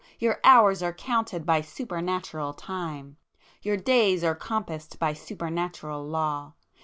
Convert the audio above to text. —your hours are counted by Super natural time!—your days are compassed by Super natural law!